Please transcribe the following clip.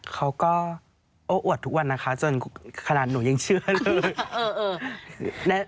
เขาก็โอ้อวดทุกวันนะคะจนขนาดหนูยังเชื่อเลย